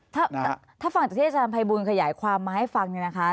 ถ้าฟังจากที่อาจารย์ภัยบูลขยายความมาให้ฟังเนี่ยนะคะ